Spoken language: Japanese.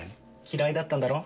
嫌いだったんだろ？